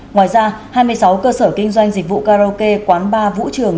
ngoài ra hai mươi sáu cơ sở kinh doanh dịch vụ karaoke quán bar vũ trường